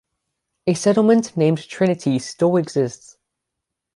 A settlement named Trinity still exists.